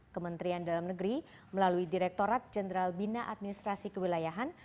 kementerian dalam negeri melalui direktorat jenderal bina administrasi kewilayahan